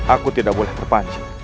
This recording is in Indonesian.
aku tidak boleh terpanji